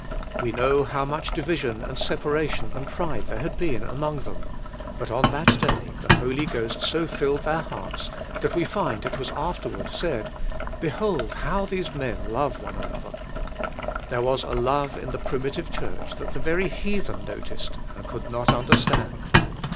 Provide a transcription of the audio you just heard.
We know how much division and separation and pride there had been among them, but on that day the Holy Ghost so filled their hearts that we find it was afterward said: "Behold how these men love one another/' There was a love in the primitive church that the very heathen noticed, and could not understand.